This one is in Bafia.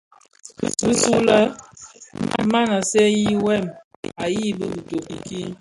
Bisulè maa seňi wêm a yibi itoki kii.